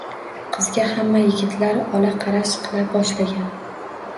Qizga hamma yigitlar ola qarash qila boshlagan.